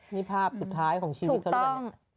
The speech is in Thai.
นี่ภาพสุดท้ายของชีวิตเขาด้วยนะครับถูกต้อง